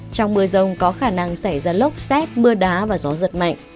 trong mưa rông có khả năng xảy ra lốc xét mưa đá và gió giật mạnh